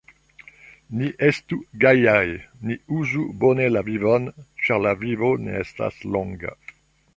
Ni estu gajaj, ni uzu bone la vivon, ĉar la vivo ne estas longa.